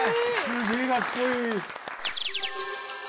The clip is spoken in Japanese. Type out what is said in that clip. すげえかっこいい。